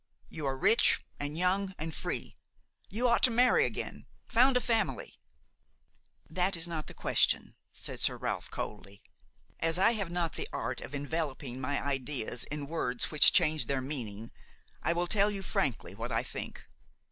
You are rich and young and free; you ought to marry again, found a family–" "That is not the question," said Sir Ralph, coldly. "As I have not the art of enveloping my ideas in words which change their meaning, I will tell you frankly what I think.